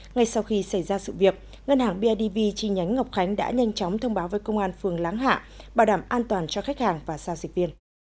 ngay sau khi xảy ra sự việc ngân hàng bidv chi nhánh ngọc khánh đã nhanh chóng thông báo với công an phường láng hạ bảo đảm an toàn cho khách hàng và giao dịch viên